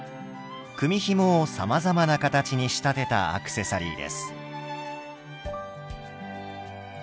組みひもをさまざまな形に仕立てたアクセサリーです。